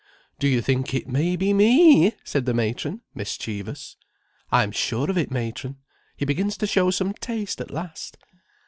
"Do you think it may be me!" said the matron, mischievous. "I'm sure of it, matron! He begins to show some taste at last."